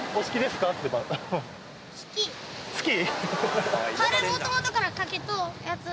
好き？